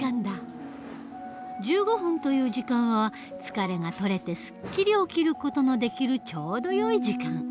１５分という時間は疲れが取れてすっきり起きる事のできるちょうどよい時間。